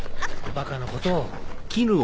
バカなことを。